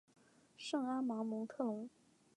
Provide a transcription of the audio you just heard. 圣阿芒蒙特龙。